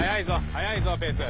早いぞペース。